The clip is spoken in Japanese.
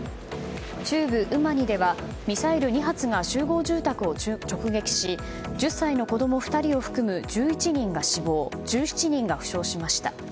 中部ウマニではミサイル２発が集合住宅を直撃し１０歳の子供２人を含む１１人が死亡１７人が負傷しました。